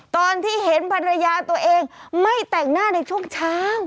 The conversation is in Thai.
ตอนที่เห็นภรรยาตัวเองไม่แต่งหน้าในช่วงเช้า